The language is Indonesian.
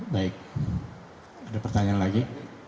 baik ada pertanyaan lagi